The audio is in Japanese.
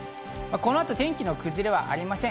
この後、天気の崩れはありません。